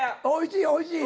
おいしい。